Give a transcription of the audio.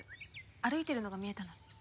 歩いているのが見えたので。